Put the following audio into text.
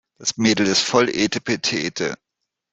Das Mädel ist voll etepetete.